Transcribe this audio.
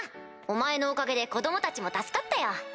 お前のおかげで子供たちも助かったよ！